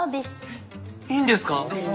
えっいいんですか？